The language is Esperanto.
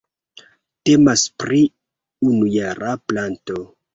Temas pri unujara planto.